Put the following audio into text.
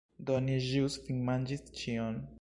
Do, ni ĵus finmanĝis ĉion